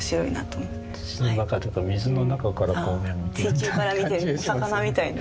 水中から見てるお魚みたいな。